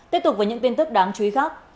tiếp tục với những tin tức đáng chú ý khác